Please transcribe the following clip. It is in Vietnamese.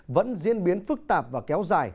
vẫn diễn biến phức tạp và kéo dài